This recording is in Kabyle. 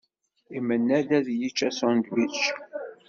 Imenna-d ad yečč asunedwič